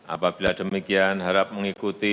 apabila demikian harap mengikuti